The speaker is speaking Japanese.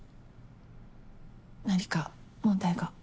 何か問題が？